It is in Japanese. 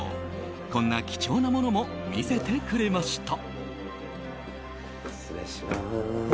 こんな貴重なものも見せてくれました。